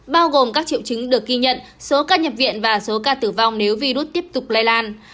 bao gồm các triệu chứng được ghi nhận số ca nhập viện và số ca tử vong nếu virus tiếp tục lây lan